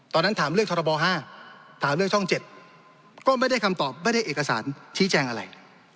ถามเรื่องทรบ๕ถามเรื่องช่อง๗ก็ไม่ได้คำตอบไม่ได้เอกสารชี้แจงอะไร